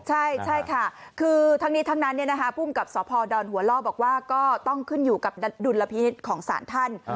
ใช่ค่ะคือทั้งนี้ทั้งนั้นภูมิกับสพดหัวล่อบอกว่าก็ต้องขึ้นอยู่กับดุลพินิษฐ์ของศาลท่าน